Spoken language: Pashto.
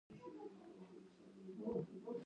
د هر زده کوونکي پرمختګ ثبت کېده.